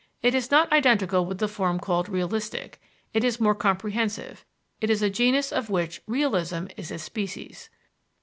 It is not identical with the form called realistic it is more comprehensive; it is a genus of which "realism" is a species.